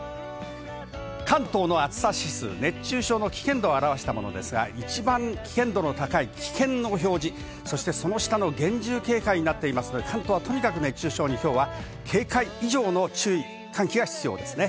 関東の暑さ指数、熱中症の危険度を表したものですが、一番危険度の高い「危険」の表示、そしてその下の厳重警戒になっていますので関東はとにかく熱中症にきょうは警戒以上の注意喚起が必要ですね。